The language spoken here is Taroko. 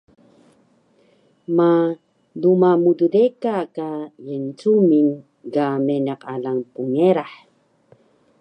ma duma mddeka ka Yencuming ga meniq alang pngerah